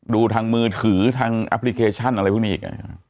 ดูทางมือถือทางแอปพลิเคชันอะไรพวกนี้อีก